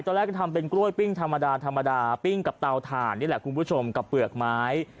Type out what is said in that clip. ตอนแรกก็ทำเป็นกล้วยปิ้งธรรมดาธรรมดาปิ้งกับเตาถ่านนี่แหละคุณผู้ชมกับเปลือกไม้